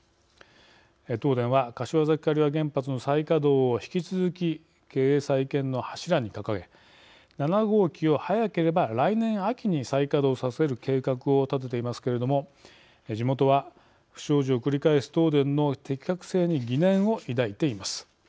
東電は柏崎刈羽原発の再稼働を引き続き経営再建の柱に掲げ７号機を早ければ来年秋に再稼働させる計画を立てていますけれども地元は不祥事を繰り返す東電の適格性に疑念を抱いています。